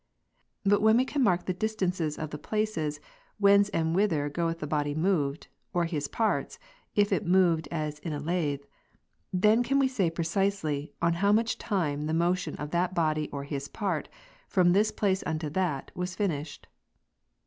But when we can mark the distances of the places, whence and whither goeth the body moved, or his parts, if it moved as in a lathe, then can we say precisely, in how much time the motion of that body or his part, from this place unto that, M'as finished.